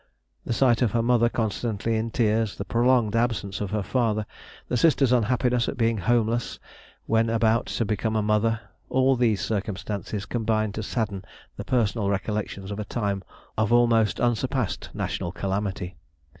The sight of her mother constantly in tears; the prolonged absence of her father; the sister's unhappiness at being homeless when about to become a mother; all these circumstances combined to sadden the personal recollections of a time of almost unsurpassed national calamity.